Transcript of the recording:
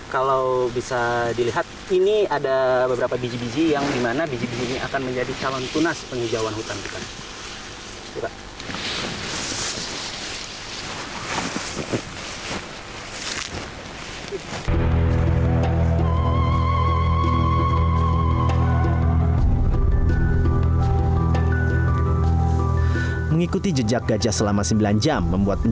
kalau bisa dilihat ini ada beberapa biji biji yang dimana biji biji ini akan menjadi calon tunas penghijauan hutan